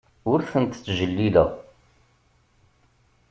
Ur tent-ttjellileɣ.